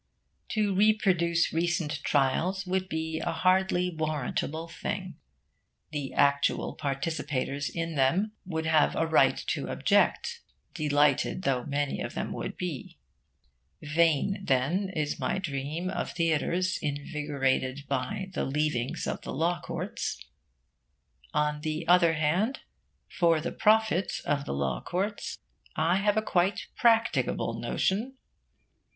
To reproduce recent trials would be a hardly warrantable thing. The actual participators in them would have a right to object (delighted though many of them would be). Vain, then, is my dream of theatres invigorated by the leavings of the law courts. On the other hand, for the profit of the law courts, I have a quite practicable notion.